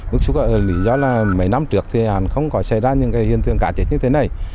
bức xúc là lý do là mấy năm trước thì không có xảy ra những cái hiện tượng cá chết như thế này